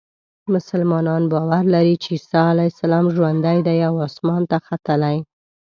مسلمانان باور لري چې عیسی علیه السلام ژوندی دی او اسمان ته ختلی.